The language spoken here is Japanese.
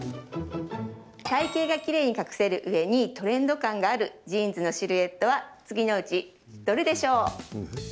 体形がきれいに隠せるうえにトレンド感があるジーンズのシルエットは次のうちどれでしょう？